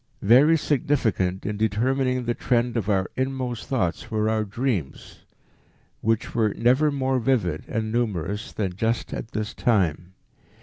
"Very significant in determining the trend of our inmost thoughts were our dreams, which were never more vivid and numerous than just at this time.